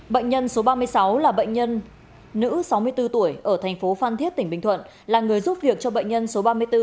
bệnh nhân số ba mươi sáu là bệnh nhân nữ sáu mươi bốn tuổi ở thành phố phan thiết tỉnh bình thuận là người giúp việc cho bệnh nhân số ba mươi bốn